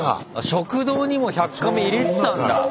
食堂にも１００カメ入れてたんだ！